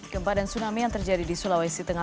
gempa dan tsunami yang terjadi di sulawesi tengah